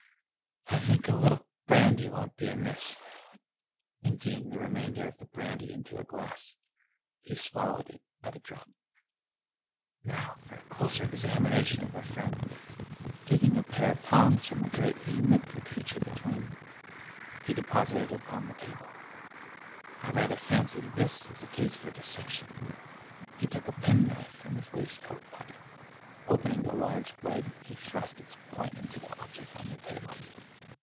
" I think a little brandy won't be amiss." Emptying the remainder of the brandy into a glass, he swallowed it at a draught. " Now for a closer examination of our friend." Taking a pair of tongs from the grate he nipped the crea ture between them. He deposited it upon the table. " I rather fancy that this is a case for dissection." He took a penknife from his waistcoat pocket. Opening the large blade, he thrust its point into the object on the table.